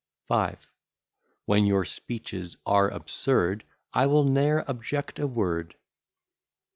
V When your speeches are absurd, I will ne'er object a word.